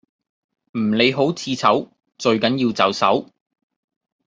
唔理好似醜最緊要就手